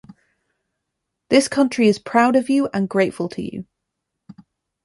This country is proud of you, and grateful to you.